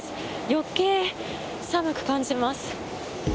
余計に寒く感じます。